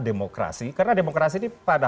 demokrasi karena demokrasi ini pada